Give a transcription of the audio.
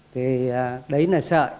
thì đấy là sợi